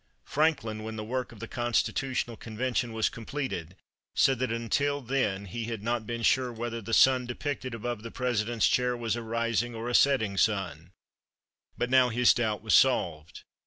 Franklin, when the work of the Constitutional Convention was completed, said that until then he had not been sure whether the sun depicted above the President's chair was a rising or a setting sun, but now his doubt was solved.